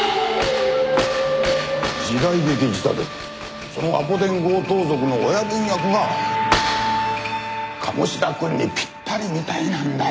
時代劇仕立てでそのアポ電強盗賊の親分役が鴨志田くんにぴったりみたいなんだよ。